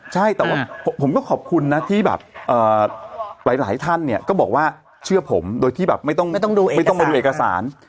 ใช่แต่ว่าผมก็ขอบคุณนะที่แบบหลายท่านเนี่ยก็บอกว่าเชื่อผมโดยที่แบบไม่ต้องมาดูเอกสาร